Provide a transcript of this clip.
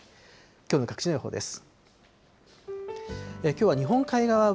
きょうの各地の予報です。